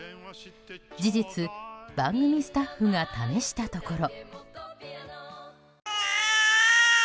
事実、番組スタッフが試したところ。